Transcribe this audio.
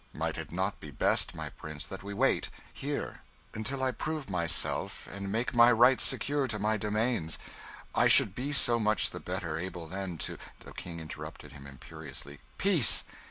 "Might it not be best, my Prince, that we wait here until I prove myself and make my rights secure to my domains? I should be so much the better able then to " The King interrupted him imperiously "Peace!